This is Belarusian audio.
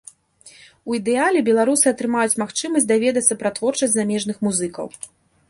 У ідэале беларусы атрымаюць магчымасць даведацца пра творчасць замежных музыкаў.